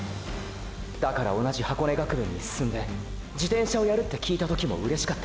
だから同じ箱根学園に進んで自転車をやるってきいた時も嬉しかった。